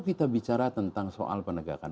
kita bicara tentang soal penegakan